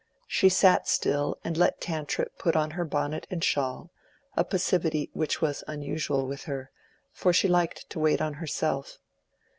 She sat still and let Tantripp put on her bonnet and shawl, a passivity which was unusual with her, for she liked to wait on herself.